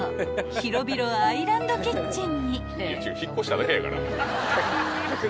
広々アイランドキッチンに］